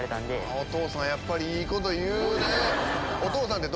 お父さんやっぱりいいこと言うね。